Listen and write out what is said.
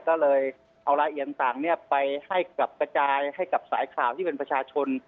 ก็เลยเอารายละเอียดต่างไปให้กลับกระจายให้กับสายข่าวที่เป็นประชาชน